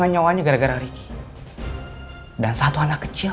kemudian kita mulai berbicara tentang kegunaan kelompokan